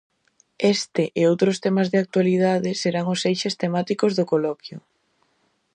Este e outros temas de actualidade serán os eixes temáticos do coloquio.